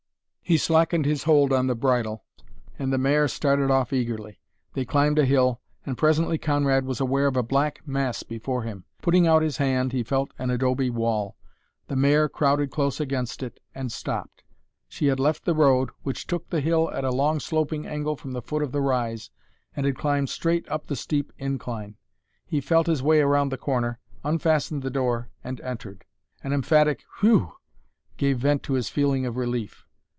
He slackened his hold on the bridle, and the mare started off eagerly. They climbed a hill, and presently Conrad was aware of a black mass before him. Putting out his hand he felt an adobe wall. The mare crowded close against it, and stopped. She had left the road, which took the hill at a long sloping angle from the foot of the rise, and had climbed straight up the steep incline. He felt his way around the corner, unfastened the door, and entered. An emphatic "Whew!" gave vent to his feeling of relief.